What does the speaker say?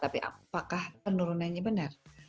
tapi apakah penurunannya benar